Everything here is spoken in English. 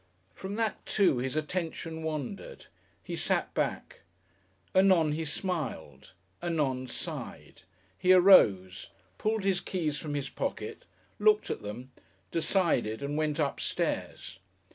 From that, too, his attention wandered. He sat back. Anon he smiled, anon sighed. He arose, pulled his keys from his pocket, looked at them, decided and went upstairs.